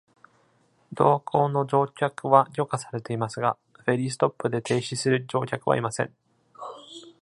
同行の乗客は許可されていますが、フェリーストップで停止する乗客はいません。